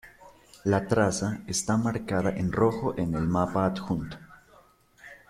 La traza está marcada en rojo en el mapa adjunto.